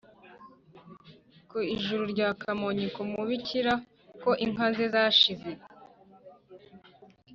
ku ijuru rya kamonyi kumubikira ko inka ze zashize.